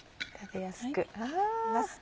食べやすくあぁ！